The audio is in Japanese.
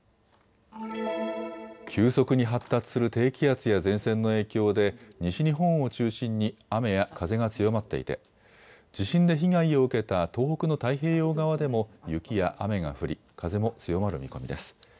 急速に発達する低気圧や前線の影響で西日本を中心に雨や風が強まっていて地震で被害を受けた東北の太平洋側でも雪や雨が降り風も強まる見込みです。